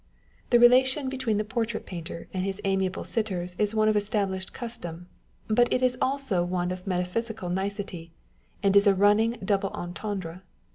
1 The relation between the portrait painter and his amiable sitters is one of established custom ; but it is also one of metaphysical nicety, and is a running double entendre.